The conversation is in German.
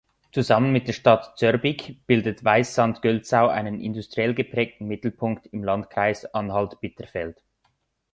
Zusammen mit der Stadt Zörbig bildet Weißandt-Gölzau einen industriell geprägten Mittelpunkt im Landkreis Anhalt-Bitterfeld.